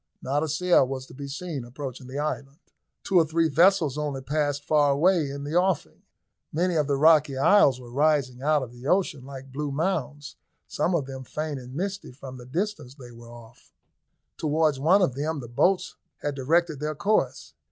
Not a sail was to be seen approaching the island. Two or three vessels only passed far away in the offing. Many other rocky isles were rising out of the ocean like blue mounds, some of them faint and misty from the distance they were off. Towards one of them the boats had directed their course.